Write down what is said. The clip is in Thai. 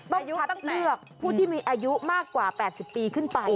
คัดเลือกผู้ที่มีอายุมากกว่า๘๐ปีขึ้นไป